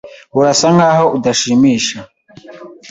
Urasa nkaho udashimisha.